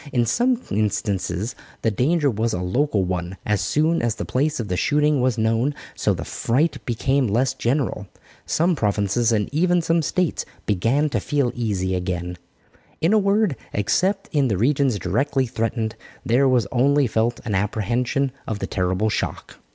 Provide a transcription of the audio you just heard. In some instances the danger was a local one as soon as the place of the shooting was known, so the fright became less general. Some provinces and even some States began to feel easy again. In a word, except in the regions directly threatened, there was only felt an apprehension of the terrible shock.